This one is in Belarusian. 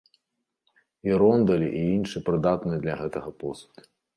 І рондалі, і іншы прыдатны для гэтага посуд.